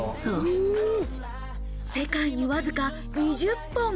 世界に、わずか２０本。